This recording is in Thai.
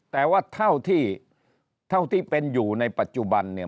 แต่ว่าเท่าที่เป็นอยู่ในปัจจุบันเนี่ย